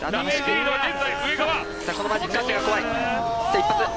一発。